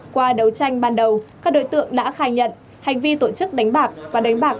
qua đấu tranh ban đầu các đối tượng đã khai nhận hành vi tổ chức đánh bạc và đánh bạc